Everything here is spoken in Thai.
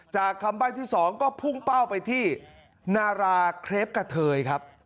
คำใบ้ที่๒ก็พุ่งเป้าไปที่นาราเครปกะเทยครับ